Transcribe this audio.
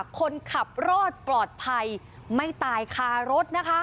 คนขับรอดปลอดภัยไม่ตายคารถนะคะ